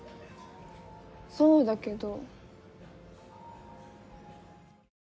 そうだけど。